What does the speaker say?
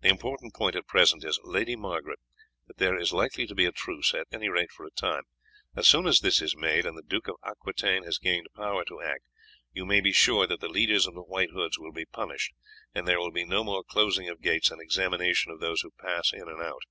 The important point at present is, Lady Margaret, that there is like to be a truce, at any rate for a time. As soon as this is made and the Duke of Aquitaine has gained power to act you may be sure that the leaders of the White Hoods will be punished, and there will be no more closing of gates and examination of those who pass in and out.